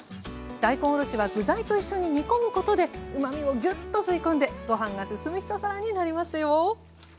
大根おろしは具材と一緒に煮込むことでうまみをギュッと吸い込んでご飯がすすむ一皿になりますよ。